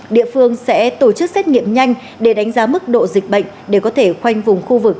địa phương sẽ tổ chức xét nghiệm nhanh để đánh giá mức độ dịch bệnh để có thể khoanh vùng khu vực